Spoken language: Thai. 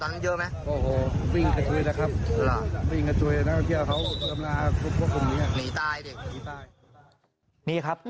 ตำรวจแจกแจ้งให้ฟังแบบนี้เบื้องต้น